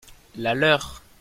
La leur.